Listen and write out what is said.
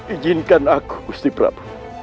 ijinkan aku guru sipram